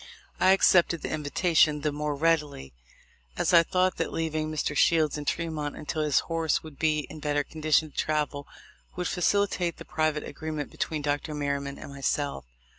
I accepted the invita tion the more readily, as I thought that leaving Mr. Shields in Tremont until his horse would be in better condition to travel would facilitate the pri vate agreement between Dr. Merryman and myself.